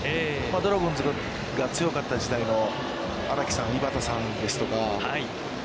ドラゴンズが強かった時代の荒木さん、岩田さんですとか。